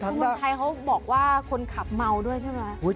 คุณมนชัยเขาบอกว่าคนขับเมาด้วยใช่ไหม